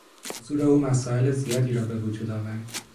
حضور او مسائل زیادی را به وجود آورد.